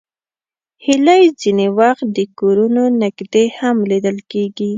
هیلۍ ځینې وخت د کورونو نږدې هم لیدل کېږي